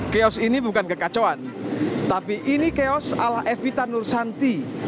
chaos ini bukan kekacauan tapi ini chaos ala evita nursanti